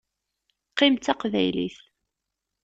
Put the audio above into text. Qqim d Taqbaylit.